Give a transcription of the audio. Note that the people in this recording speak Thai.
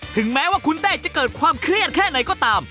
ถึงแม้ว่าคุณเต้จะเกิดความเครียดแค่ไหนก็ตาม